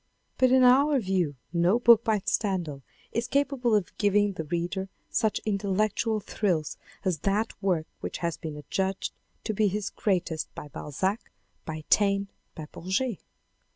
But in our view no book by Stendhal is capable of giving the reader such intellectual thrills as that work which has been adjudged to be his greatest by Balzac, by Taine, by Bourget.